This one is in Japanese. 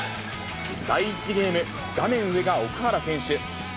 第１ゲーム、画面上が奥原選手。